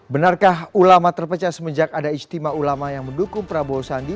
benarkah ulama terpecah semenjak ada istimewa ulama yang mendukung prabowo sandi